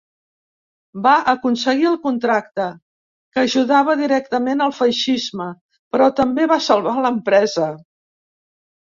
Va aconseguir el contracte, que ajudava directament al feixisme però també va salvar l'empresa.